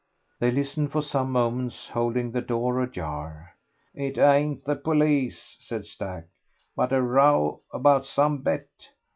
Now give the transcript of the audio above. They listened for some moments, holding the door ajar. "It ain't the police," said Stack, "but a row about some bet.